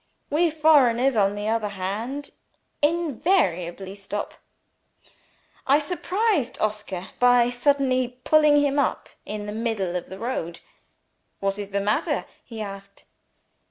We foreigners, on the other hand, invariably stop. I surprised Oscar by suddenly pulling him up in the middle of the road. "What is the matter?" he asked.